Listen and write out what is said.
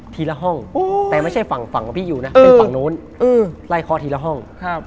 ละห้องแต่ไม่ใช่ฝั่งฝั่งของพี่อยู่นะเป็นฝั่งนู้นไล่คอทีละห้อง